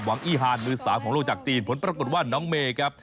อีฮานมือ๓ของโลกจากจีนผลปรากฏว่าน้องเมย์ครับ